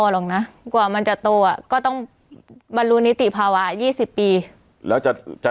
หรอกนะกว่ามันจะโตอ่ะก็ต้องบรรลุนิติภาวะ๒๐ปีแล้วจะจะ